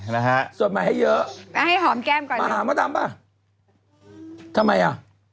นะฮะสวดใหม่ให้เยอะแล้วให้หอมแก้มก่อนมาหามดดำป่ะทำไมอ่ะ